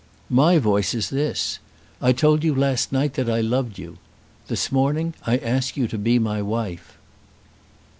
"My voice is this. I told you last night that I loved you. This morning I ask you to be my wife."